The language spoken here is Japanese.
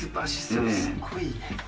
すごいね。